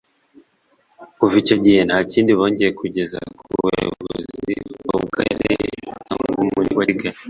Kuva icyo gihe nta kindi bongeye kugeza ku buyobozi bwaba ubw’akarere cyangwa ubw’umujyi wa Kigali